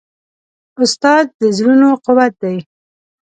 استاد د زړونو قوت دی.